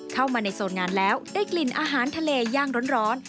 เข้ามาในโซนงานแล้วได้กลิ่นอาหารทะเลย่างร้อน